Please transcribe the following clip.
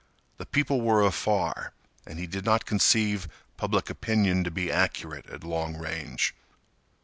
The people were afar and he did not conceive public opinion to be accurate at long range.